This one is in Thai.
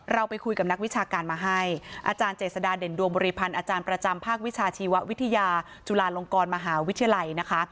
ไปคุยกับนักวิชาการมาให้อาจารย์เจษฎาเด่นดวงบริพันธ์อาจารย์ประจำภาควิชาชีววิทยาจุฬาลงกรมหาวิทยาลัยนะคะ